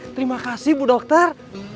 terima kasih bu dokter